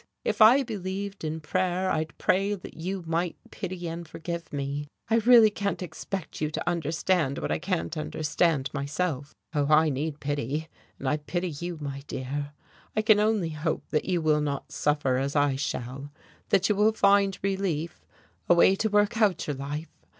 If I believed in prayer I'd pray that you might pity and forgive me. I really can't expect you to understand what I can't myself explain. Oh, I need pity and I pity you, my dear. I can only hope that you will not suffer as I shall, that you will find relief away to work out your life.